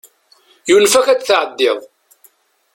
Yunef-ak ad tɛeddiḍ.